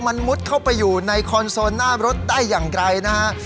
มันมุดเข้าไปอยู่ในคอนโซลหน้ารถได้อย่างไรนะฮะ